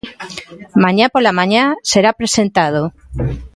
Mañá pola mañá será presentado.